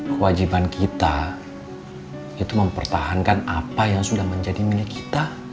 kewajiban kita itu mempertahankan apa yang sudah menjadi milik kita